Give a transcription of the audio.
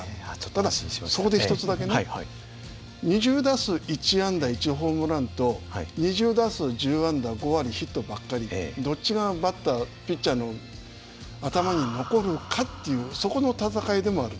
だだそこで一つだけね２０打数１安打１ホームランと２０打数１０安打５割ヒットばっかりどっちがピッチャーの頭に残るかっていうそこの戦いでもある。